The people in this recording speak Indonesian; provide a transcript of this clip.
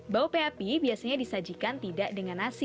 bau peapi biasanya disajikan tidak dengan nasi